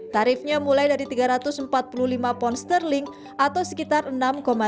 tarifnya mulai dari tiga ratus empat puluh lima pound sterling atau sekitar enam tujuh juta rupiah per malam untuk dua orang